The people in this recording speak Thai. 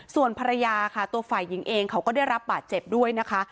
ส่วนภรรยาค่ะตัวฝ่ายหญิงเองเขาก็ได้รับบาดเจ็บด้วยนะคะ